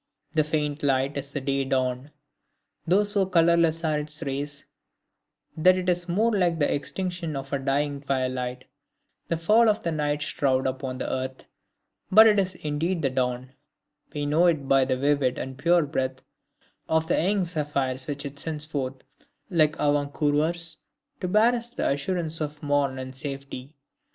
This faint light is the day dawn, though so colorless are its rays, that it is more like the extinction of the dying twilight, the fall of the night shroud upon the earth. But it is indeed the dawn; we know it by the vivid and pure breath of the young zephyrs which it sends forth, like avant coureurs, to bear us the assurance of morn and safety.